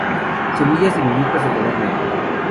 Semillas diminutas de color negro.